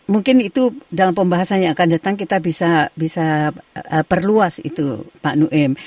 mungkin itu dalam pembahasan yang akan datang kita bisa perluas pak nu im